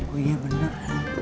oh iya beneran